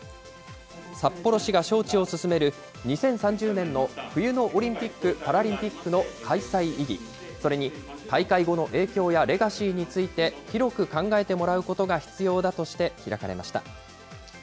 札幌市が招致を進める、２０３０年の冬のオリンピック・パラリンピックの開催意義、それに、大会後の影響やレガシーについて、広く考えてもらうことが必要だとして、開かれました。